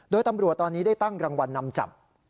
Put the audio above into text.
โดยตำรวจตอนนี้ได้ตั้งรางวัลนำจับ